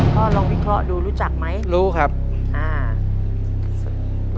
ลองวิเคราะห์ดูรู้จักไหมรู้ครับอ่า